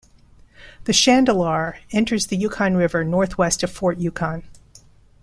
The Chandalar enters the Yukon River northwest of Fort Yukon.